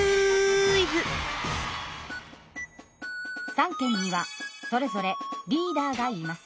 三権にはそれぞれリーダーがいます。